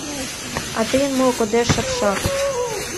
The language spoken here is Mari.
А тыйын мо кодеш, шапшак!